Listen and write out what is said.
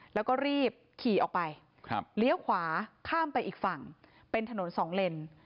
แล้วก็รีบขี่ออกไปเลี้ยวขวาข้ามไปอีกฝั่งเป็นถนนสองเลน